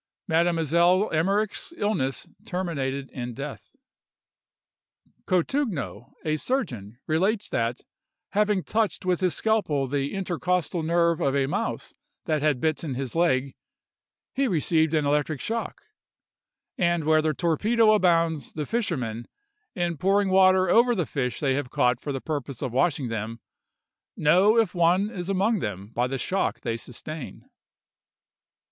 Mademoiselle Emmerich's illness terminated in death. Cotugno, a surgeon, relates that, having touched with his scalpel the intercostal nerve of a mouse that had bitten his leg, he received an electric shock; and where the torpedo abounds, the fishermen, in pouring water over the fish they have caught for the purpose of washing them, know if one is among them by the shock they sustain.